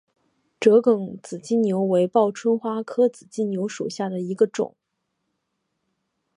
折梗紫金牛为报春花科紫金牛属下的一个种。